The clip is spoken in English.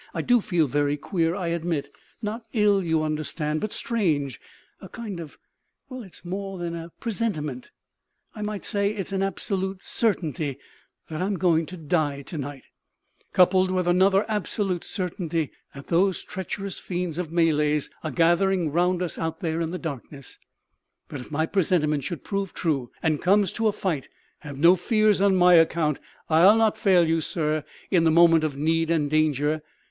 I do feel very queer, I admit; not ill, you understand, but strange; a kind of well, it's more than a presentiment; I might say it's an absolute certainty that I'm going to die to night, coupled with another absolute certainty that those treacherous fiends of Malays are gathering round us out there in the darkness. But if my presentiment should prove true, and it comes to a fight, have no fears on my account. I'll not fail you, sir, in the moment of need and danger.